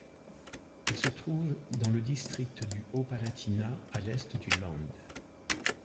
Elle se trouve dans le district du Haut-Palatinat, à l'est du Land.